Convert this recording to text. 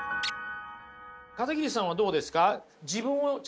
片桐さんはどうですか？